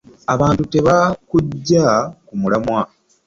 Abantu tebakuggya ku mulamwa.